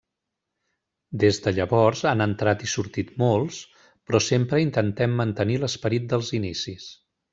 Des de llavors, han entrat i sortit molts, però sempre intentem mantenir l'esperit dels inicis.